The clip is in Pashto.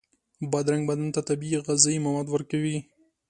بادرنګ بدن ته طبیعي غذایي مواد ورکوي.